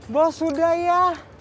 bos sudah ya